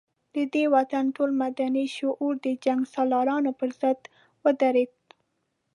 د دې وطن ټول مدني شعور د جنګ سالارانو پر ضد ودرېد.